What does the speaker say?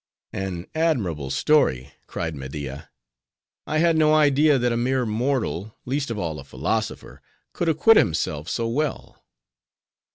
'" "An admirable story," cried Media. "I had no idea that a mere mortal, least of all a philosopher, could acquit himself so well.